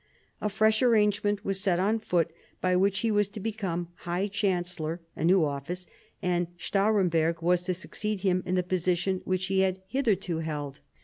A fresh arrangement was set on foot, by which he was to become High Chancellor (a new office), and Stahremberg was to succeed him in the position which he had hitherto held.